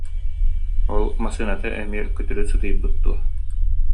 Ол массыыната эмиэ көтүрү сытыйбыт дуо